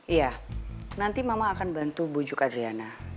iya nanti mama akan bantu bujuk adriana